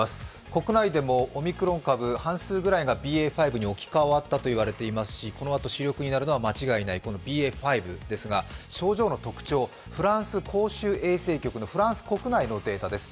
国内でもオミクロン株、半数ぐらいがＢＡ．５に置き換わったと言われていますし、このあと主力になるのは間違いなくこのＢＡ．５ですが症状の特徴、フランス公衆衛生局のフランス国内のデータです。